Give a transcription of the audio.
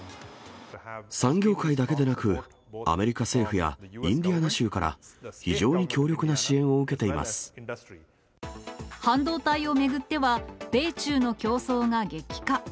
産業界だけでなく、アメリカ政府やインディアナ州から、非常に強力な支援を受けてい半導体を巡っては、米中の競争が激化。